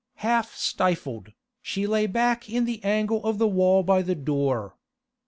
Half stifled, she lay back in the angle of the wall by the door.